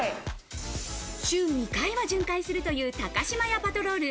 週２回は巡回するというタカシマヤパトロール。